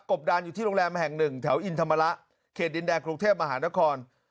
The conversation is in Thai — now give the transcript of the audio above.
ดานอยู่ที่โรงแรมแห่งหนึ่งแถวอินธรรมระเขตดินแดงกรุงเทพมหานคร